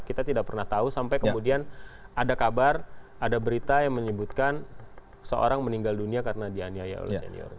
kita tidak pernah tahu sampai kemudian ada kabar ada berita yang menyebutkan seorang meninggal dunia karena dianiaya oleh senior